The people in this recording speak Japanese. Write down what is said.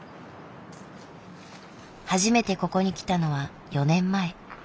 初めてここに来たのは４年前。